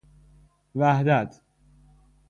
وحدت